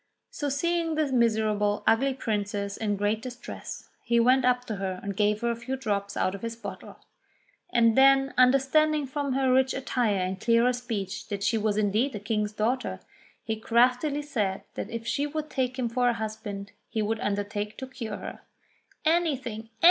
So, seeing the miserable, ugly princess in great distress, he went up to her and gave her a few drops out of his bottle ; and then understanding from her rich attire and clearer speech that she was indeed a King's daughter, he craftily said that if she would take him for a husband, he would undertake to cure her. "Anything!